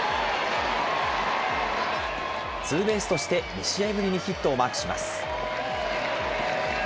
ツーベースとして、２試合ぶりにヒットをマークします。